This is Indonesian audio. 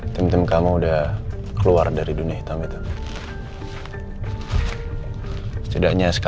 sebenernya anang ga sepertih lo al